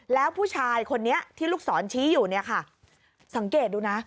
แล้วผู้ชายคนนี้ที่ลูกศรชี้อยู่เนี่ยค่ะสังเกตดูนะ